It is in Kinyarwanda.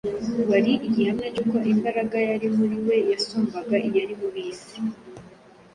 wari igihamya cy’uko imbaraga yari muri we yasumbaga iyari mu b’isi.